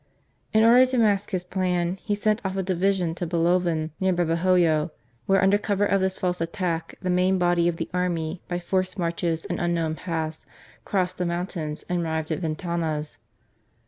In order to mask his plan, he sent off a division to Bilovan, near Babahoyo, while under cover of this false attack the main body of the army by forced 96 GARCIA MORENO. marches and unknown paths crossed the mountains and arrived at Ventanas.